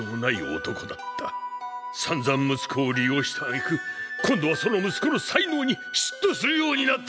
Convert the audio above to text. さんざん息子を利用したあげく今度はその息子の才能に嫉妬するようになった！